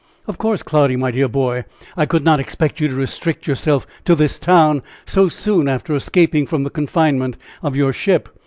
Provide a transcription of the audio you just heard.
"Of course, Cloudy, my dear boy, I could not expect you to restrict yourself to this town so soon after escaping from the confinement of your ship!"